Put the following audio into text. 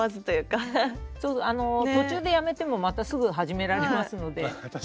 途中でやめてもまたすぐ始められますので。